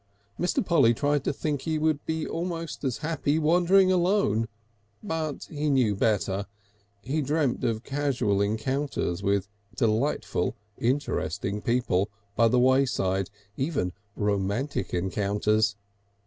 Mr. Polly tried to think he would be almost as happy wandering alone, but he knew better. He had dreamt of casual encounters with delightfully interesting people by the wayside even romantic encounters.